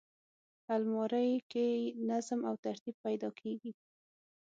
الماري کې نظم او ترتیب پیدا کېږي